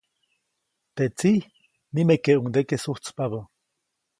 Teʼ tsiʼ nimekeʼuŋdeke sujtspabä.